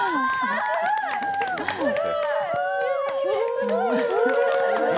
すごい。